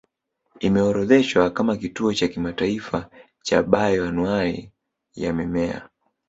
Imeorodheshwa kama kituo cha kimataifa cha bayoanuwai ya mimea